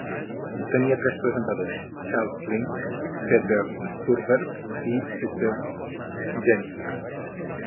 Tenia tres presentadors: Charles Lynch, Peter Stursberg i Peter Jennings.